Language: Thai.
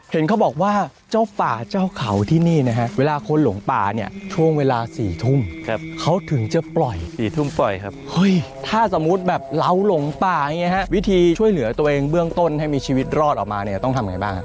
เห็นเขาบอกว่าเจ้าป่าเจ้าเขาที่นี่นะฮะเวลาคนหลงป่าเนี่ยช่วงเวลา๔ทุ่มเขาถึงจะปล่อย๔ทุ่มปล่อยครับเฮ้ยถ้าสมมุติแบบเราหลงป่าอย่างนี้ฮะวิธีช่วยเหลือตัวเองเบื้องต้นให้มีชีวิตรอดออกมาเนี่ยต้องทำไงบ้างครับ